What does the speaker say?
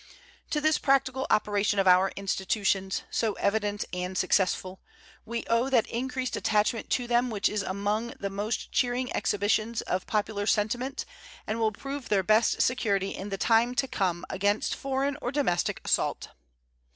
To this practical operation of our institutions, so evident and successful, we owe that increased attachment to them which is among the most cheering exhibitions of popular sentiment and will prove their best security in time to come against foreign or domestic assault.